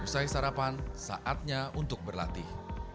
usai sarapan saatnya untuk berlatih